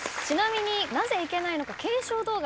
ちなみになぜいけないのか。